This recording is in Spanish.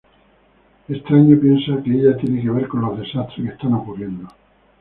Extraño piensa que ella tiene que ver con los desastres que están ocurriendo.